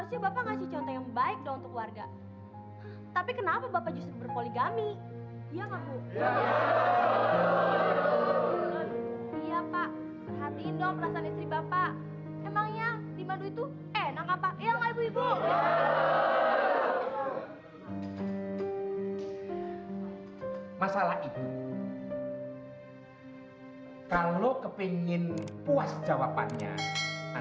sampai jumpa di video selanjutnya